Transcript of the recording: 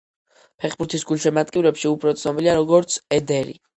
ფეხბურთის გულშემატკივრებში უფრო ცნობილია როგორც ედერი.